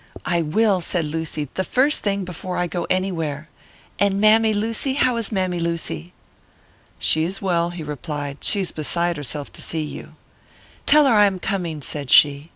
"I will," said Lucy, "the first thing, before I go anywhere. And Mammy Lucy! How is Mammy Lucy?" "She is well," he replied. "She's beside herself to see you." "Tell her I am coming!" said she.